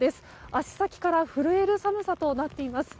足先から震える寒さとなっています。